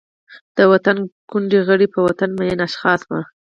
د وطن ګوند غړي، په وطن مین اشخاص وو.